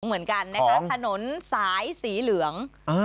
เหมือนกันนะคะถนนสายสีเหลือง